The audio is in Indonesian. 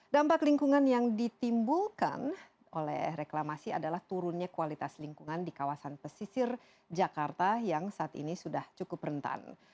dampak lingkungan yang ditimbulkan oleh reklamasi adalah turunnya kualitas lingkungan di kawasan pesisir jakarta yang saat ini sudah cukup rentan